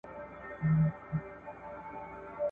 انګرېزی لښکر مات سوی وو.